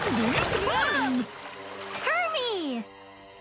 ターミー！